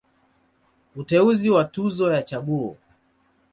Uteuzi wa Tuzo ya Chaguo.